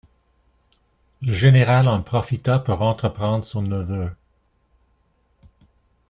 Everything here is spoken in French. Le général en profita pour entreprendre son neveu.